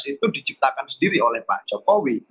itu diciptakan sendiri oleh pak jokowi